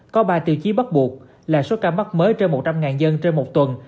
có ba tiêu chí bắt buộc là số ca mắc mới trên một trăm linh dân trên một tuần